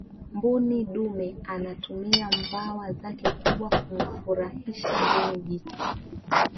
mbuni dume anatumia mbawa zake kubwa kumfurahisha mbuni jike